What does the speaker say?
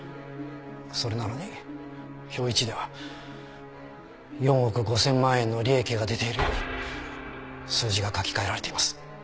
それなのに表１では４億５０００万円の利益が出ているように数字が書き換えられています。